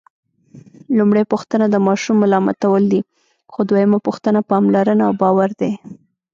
لومړۍ پوښتنه د ماشوم ملامتول دي، خو دویمه پوښتنه پاملرنه او باور دی.